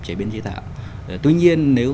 chế biến chế tạo tuy nhiên nếu